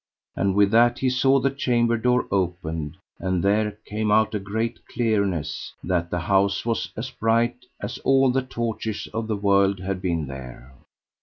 And with that he saw the chamber door open, and there came out a great clearness, that the house was as bright as all the torches of the world had been there.